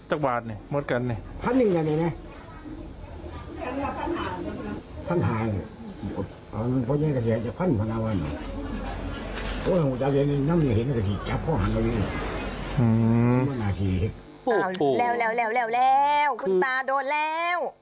อืมอ้าวแล้วคุณตาโดนแล้ว